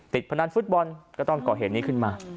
พนันฟุตบอลก็ต้องก่อเหตุนี้ขึ้นมา